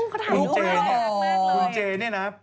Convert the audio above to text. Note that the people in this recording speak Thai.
เขาถามลูกมากเลยอ๋อคุณเจ๊นี่นะ